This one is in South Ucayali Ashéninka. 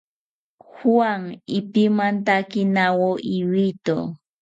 Juan ipimantakinawo ibito